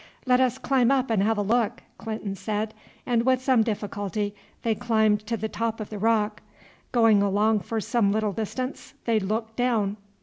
"Let us climb up and have a look," Clinton said; and with some difficulty they climbed up to the top of the rock. Going along for some little distance they looked down.